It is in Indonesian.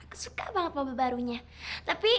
aku suka banget mobil barunya tapi